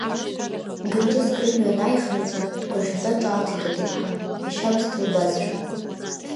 Гынҿыск рымҩа анааихнаҵәа, дгәырӷьаҵәа ҿаалҭит аҭыԥҳа, ашьабсҭа лбазшәа.